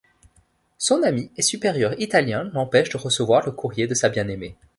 Son ami et supérieur italien l'empêche de recevoir le courrier de sa bien-aimée.